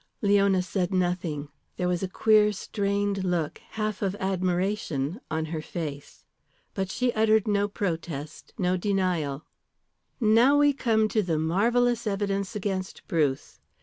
Leona said nothing. There was a queer, strained look, half of admiration, on her face. But she uttered no protest, no denial. "Now we come to the marvellous evidence against Bruce.